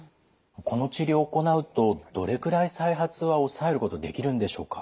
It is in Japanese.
この治療を行うとどれくらい再発は抑えることできるんでしょうか？